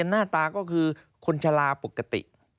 หน้าตาก็คือคนชะลาปกติ